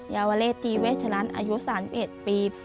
ยาวเวเลตีแวทอีทรัญอายุ๓๑ปี